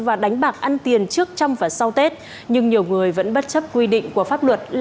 và đánh bạc ăn tiền trước trong và sau tết nhưng nhiều người vẫn bất chấp quy định của pháp luật